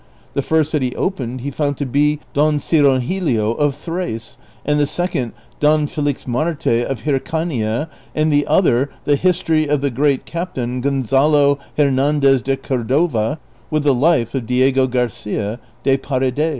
The first that he opened he found to be " Don Cirongilio of Thrace," and the second " Don Felixmarte of Hircania," and the other the " His tory of the Great Captain Gonzalo Hernandez de Cordova, with the Life of Diego Garcia de Paredes."